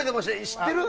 知ってる？